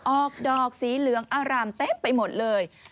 ออกดอกสีเหลืองอารามเต็มไปหมดเลย